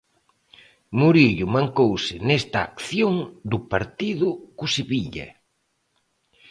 Murillo mancouse nesta acción do partido co Sevilla.